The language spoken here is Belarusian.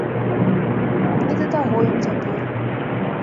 Не да таго ім цяпер.